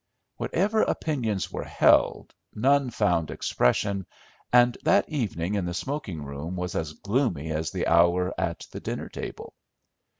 Whatever opinions were held, none found expression, and that evening in the smoking room was as gloomy as the hour at the dinner table.